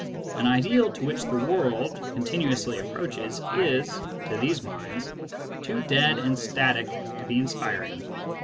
An ideal to which the world continuously approaches is, to these minds, too dead and static to be inspiring.